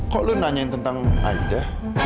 kok lu nanyain tentang aida